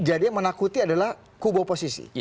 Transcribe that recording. jadi menakuti adalah kubu oposisi